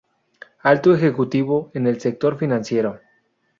Alto ejecutivo en el sector financiero.